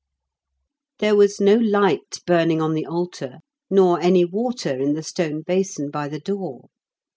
There was no light burning on the altar, nor any water in the stone basin by the door.